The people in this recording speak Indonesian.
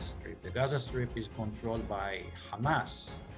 jalan gaza dikontrol oleh hamas